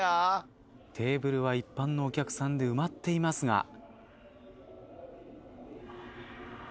テーブルは一般のお客さんで埋まっていますが。